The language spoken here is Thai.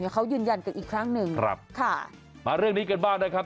เขายืนยันกันอีกครั้งหนึ่งครับค่ะมาเรื่องนี้กันบ้างนะครับ